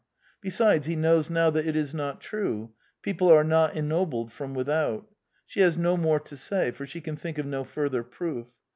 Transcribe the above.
Besides, he knows now that it is not true : people are not ennobled from without. She has no more to say; for she can think of no further proof.